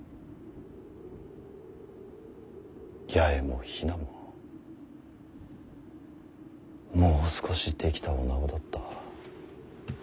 八重も比奈ももう少し出来た女子だった。